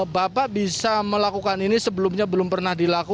bapak bisa melakukan ini sebelumnya belum pernah dilakukan